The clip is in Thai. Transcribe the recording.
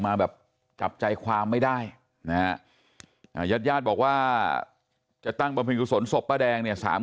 ขึ้นอยู่กับความเชื่อนะฮะสุดท้ายเนี่ยทางครอบครัวก็เชื่อว่าป้าแดงก็ไปที่วัดแล้ว